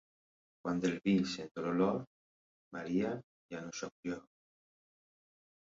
Quan del vi sento l'olor, Maria, ja no soc jo.